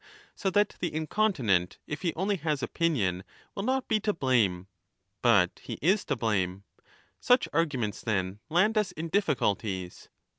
So that the incontinent, if he only has opinion, will not be to blame. But he is to blame. Such arguments then land us in difficulties.